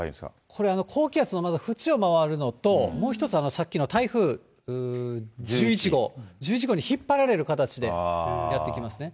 これ、高気圧の縁を回るのと、もう１つ、さっきの台風１１号、１１号に引っ張られる形でやって来ますね。